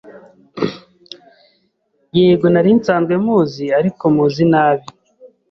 Yego nari nsanzwe muzi, ariko muzi nabi.